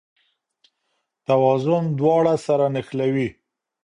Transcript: توازن دواړه سره نښلوي.